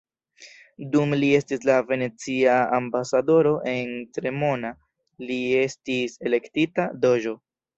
Dum li estis la venecia ambasadoro en Cremona, li estis elektita "doĝo".